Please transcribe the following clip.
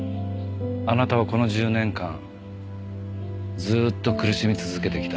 あなたはこの１０年間ずっと苦しみ続けてきた。